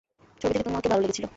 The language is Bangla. ছবি দেখে তোমাকে ভালো লেগেছিল।